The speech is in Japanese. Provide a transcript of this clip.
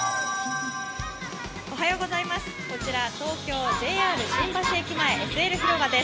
こちら、東京ＪＲ新橋駅前の広場です。